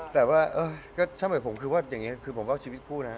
แต่ว่าก็ถ้าเหมือนผมคือว่าอย่างนี้คือผมก็เอาชีวิตคู่นะ